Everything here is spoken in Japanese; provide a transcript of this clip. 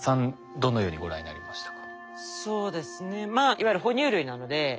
どのようにご覧になりましたか？